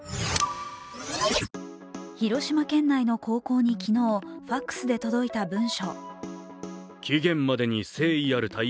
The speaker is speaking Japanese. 広島県内の高校に昨日、ファクスで届いた文書。